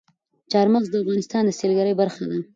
چار مغز د افغانستان د سیلګرۍ برخه ده.